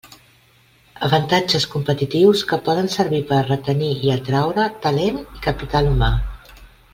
Avantatges competitius que poden servir per a retenir i atraure talent i capital humà.